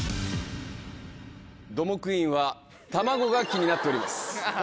ドモクインは卵が気になっております。